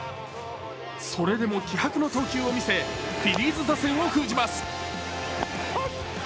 それでも気迫の投球を見せフィリーズ打線を封じます。